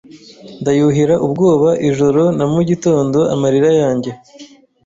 Ndayuhira ubwoba Ijoro na mugitondo amarira yanjye